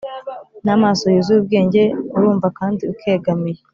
n'amaso yuzuye ubwenge urumva kandi ukegamiye,